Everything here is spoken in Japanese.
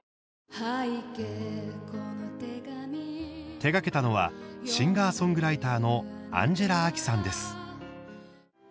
手がけたのはシンガーソングライターのアンジェラ・アキさんです。